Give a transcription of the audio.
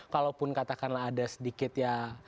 kalaupun katakanlah ada sedikit ya